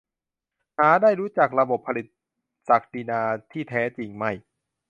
หาได้รู้จักระบบผลิตศักดินาที่แท้จริงไม่